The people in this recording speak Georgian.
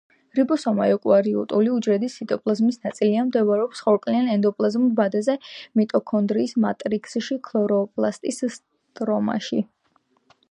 რიბოსომა ეუკარიოტულ უჯრედის ციტოპლაზმის ნაწილია, მდებარეობს ხორკლიან ენდოპლაზმურ ბადეზე, მიტოქონდრიის მატრიქსში, ქლოროპლასტის სტრომაში.